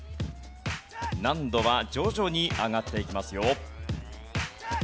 難度は徐々に上がっていきますよ。